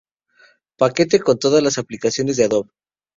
Paquete con todas las aplicaciones de Adobe.